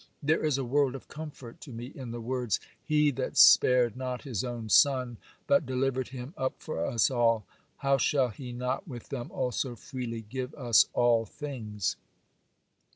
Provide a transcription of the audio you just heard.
There is a world of comfort to me in the words, "He that spared not his own Son, but delivered him up for us all, how shall he not with him also freely give us all things?"